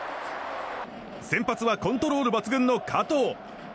先発はコントロール抜群の加藤。